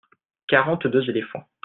quarante deux éléphants.